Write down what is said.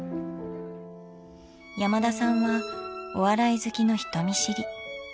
山田さんはお笑い好きの人見知り。